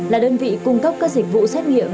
là đơn vị cung cấp các dịch vụ xét nghiệm